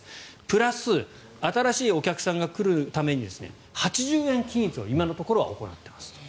プラス新しいお客さんが来るために８０円均一を今のところは行っていますと。